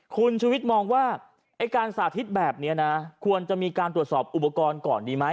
คุณชุวิตมองว่าไอ้การสาธิตแบบนี้นะควรจะมีการตรวจสอบอุปกรณ์ก่อนดีไหม